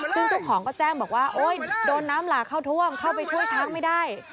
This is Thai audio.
ซึ่งเจ้าของก็แจ้งบอกว่าโอ๊ยโดนน้ำหลากเข้าท่วมเข้าไปช่วยช้างไม่ได้